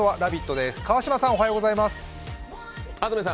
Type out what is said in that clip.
です、川島さん、おはようございます。